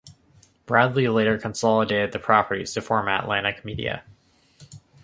Bradley later consolidated the properties to form Atlantic Media.